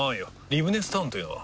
リブネスタウンというのは？